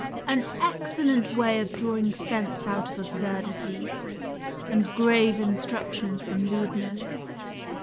Rabelais. An excellent way of drawing sense out of absurdity, and grave instructions from lewdness.